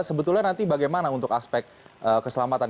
sebetulnya nanti bagaimana untuk aspek keselamatan